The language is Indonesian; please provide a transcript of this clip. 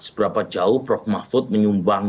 seberapa jauh prof mahfud menyumbang